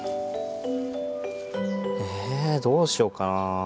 えどうしようかな。